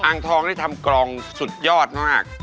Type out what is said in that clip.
อางทองเนี่ยทำกลองสุดยอดมาก